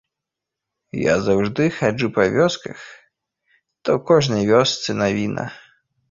Я заўсёды хаджу па вёсках, то ў кожнай вёсцы навіна.